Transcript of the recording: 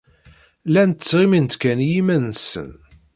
Llant ttɣimint kan i yiman-nsen.